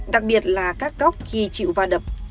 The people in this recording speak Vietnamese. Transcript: đặc biệt là các góc khi chịu va đập